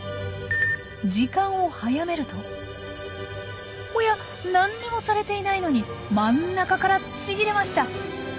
時間を早めるとおや何にもされていないのに真ん中からちぎれました。